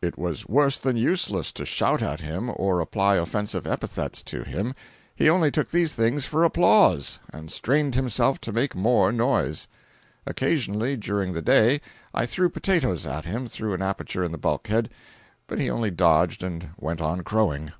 It was worse than useless to shout at him or apply offensive epithets to him—he only took these things for applause, and strained himself to make more noise. Occasionally, during the day, I threw potatoes at him through an aperture in the bulkhead, but he only dodged and went on crowing.